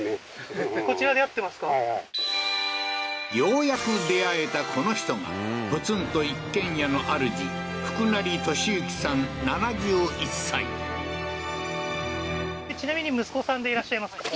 ようやく出会えたこの人がポツンと一軒家のあるじちなみに息子さんでいらっしゃいますか？